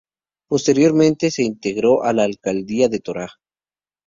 Posteriormente se integró a la alcaldía de Torá.